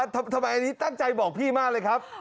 ทำไมอันนี้ตั้งใจบอกพี่มากเลยครับ